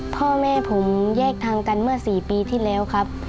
พ่อแม่ผมแยกทางกันเมื่อ๔ปีที่แล้วครับ